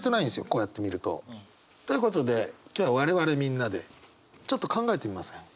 こうやって見ると。ということで今日我々みんなでちょっと考えてみません？